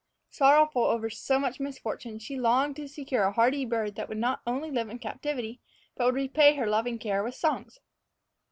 Sorrowful over so much misfortune, she had longed to secure a hardy bird that would not only live in captivity, but would repay her loving care with songs.